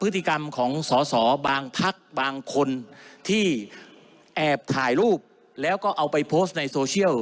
พฤติกรรมของสอสอบางพักบางคนที่แอบถ่ายรูปแล้วก็เอาไปโพสต์ในโซเชียล